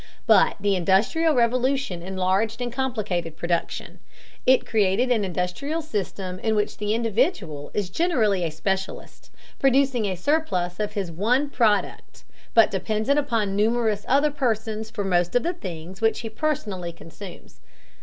But the Industrial Revolution enlarged and complicated production. It created an industrial system in which the individual is generally a specialist, producing a surplus of his one product, but dependent upon numerous other persons for most of the things which he personally consumes.